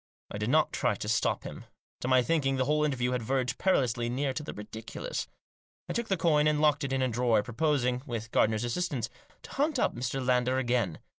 I did not try to stop him. To my thinking the whole interview had verged perilously near to the ridiculous. I took the coin and locked it in a drawer, proposing, with Gardiner's assistance, to hunt up Mr. Lander again.